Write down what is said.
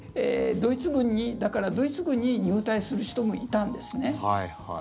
だからドイツ軍に入隊する人もいたんですね。